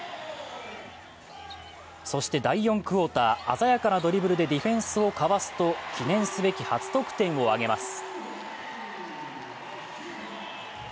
そして第４クオーター、鮮やかなドリブルでディフェンスをかわすと、記念すべき初得点を挙げます。